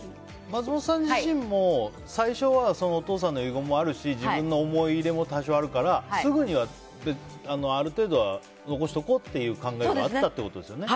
松本さん自身も最初はお父さんの遺言もあるし自分の思い入れも多少あるからすぐにはある程度は残しておこうというそうですね。